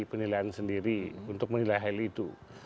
penilaian sendiri untuk menilai hal itu